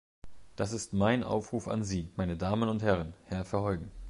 Das ist mein Aufruf an Sie, meine Damen und Herren, Herr Verheugen.